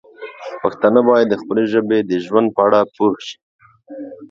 پښتانه باید د خپلې ژبې د ژوند په اړه پوه شي.